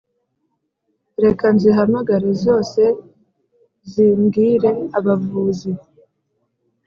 Reka nzihamagare zose zimbwire abavuzi